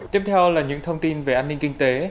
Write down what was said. tiếp theo là những thông tin về an ninh kinh tế